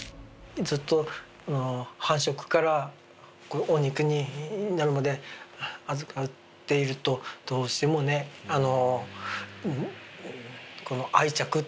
ずっと繁殖からお肉になるまで預かっているとどうしてもねこの愛着っていうか。